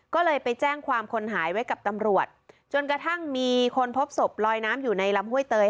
ก็เลยไปแจ้งความคนหายไว้กับตำรวจจนกระทั่งมีคนพบศพลอยน้ำอยู่ในลำห้วยเตย